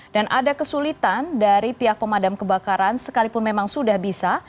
ada kesulitan dari pihak pemadam kebakaran sekalipun memang sudah bisa